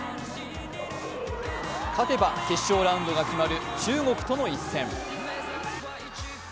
勝てば決勝ラウンドが決まる中国との一戦。